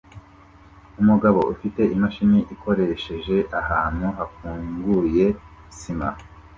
Umugabo ufite imashini ukoresheje ahantu hafunguye sima